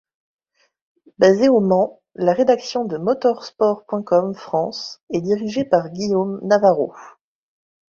Basée au Mans, la rédaction de motorsport.com France est dirigée par Guillaume Navarro.